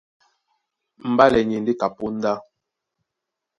Mbálɛ ni e ndé ka póndá.